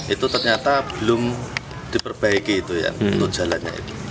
itu ternyata belum diperbaiki untuk jalannya itu